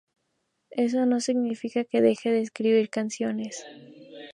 Eso no significa que deje de escribir canciones.